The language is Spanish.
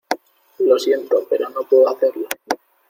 lo siento, pero no puedo hacerlo